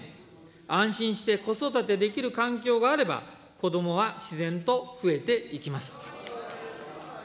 安心して子育てできる環境があれば、子どもは自然と増えていきます。